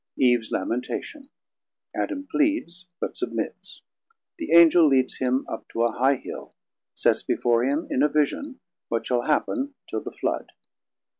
Eve's Lamentation. Adam pleads, but submits: The Angel leads him up to a high Hill, sets before him in a vision what shall happ'n till the Flood.